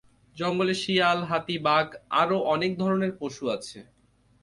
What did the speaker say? জঙ্গলে শিয়াল, হাতি, বাঘ আর অনেক ধরনের পশু আছে।